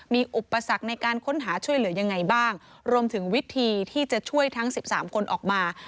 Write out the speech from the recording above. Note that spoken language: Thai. มีอุปสรรคในการค้นหาช่วยเหลือยังไงบ้างรวมถึงวิธีที่จะช่วยทั้ง๑๓คนออกมา